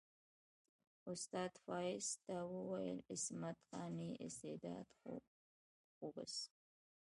استاد فایز ته وویل عصمت قانع استعداد خوب است.